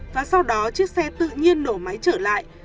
và sau đó chiếc xe tự nhiên nổ máy trở lại